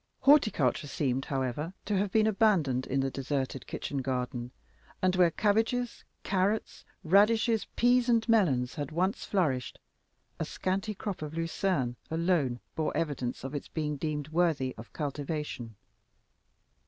Horticulture seemed, however, to have been abandoned in the deserted kitchen garden; and where cabbages, carrots, radishes, peas, and melons had once flourished, a scanty crop of lucern alone bore evidence of its being deemed worthy of cultivation.